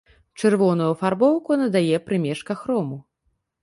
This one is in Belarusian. Чырвоную афарбоўку надае прымешка хрому.